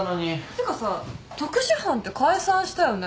てかさ特殊班って解散したよね？